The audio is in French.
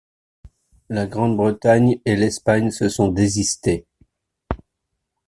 La Grande-Bretagne et l'Espagne se sont désistées.